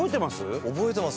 覚えてます？